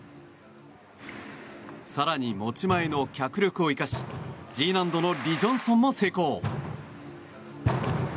更に持ち前の脚力を生かしＧ難度のリ・ジョンソンも成功！